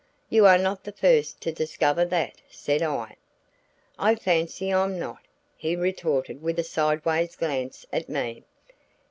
"You are not the first to discover that," said I. "I fancy I'm not!" he retorted with a sidewise glance at me.